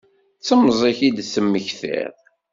D temẓi-k i d-temmektiḍ?